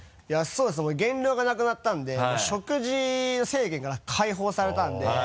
いやそうですね減量がなくなったんで食事制限から解放されたんで。